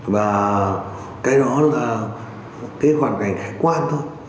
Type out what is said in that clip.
và cái đó là cái hoàn cảnh hải quan thôi